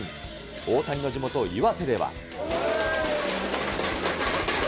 大谷の地元、岩手では。